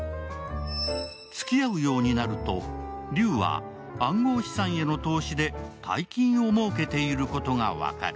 つきあうようになると、劉は暗号資産への投資で大金をもうけていることが分かる。